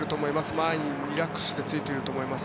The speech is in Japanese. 前にリラックスしてついていると思います。